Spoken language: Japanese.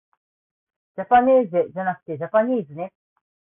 じゃぱねーぜじゃなくてじゃぱにーずね